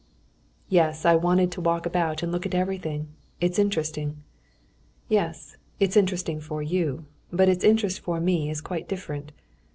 "Yes, I wanted to walk about and look at everything. It's interesting." "Yes, it's interesting for you. But its interest for me is quite different.